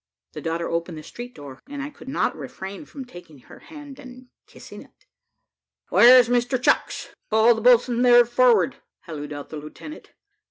The daughter opened the street door, and I could not refrain from taking her hand and kissing it " "Where's Mr Chucks? call the boatswain there forward," hallooed out the lieutenant.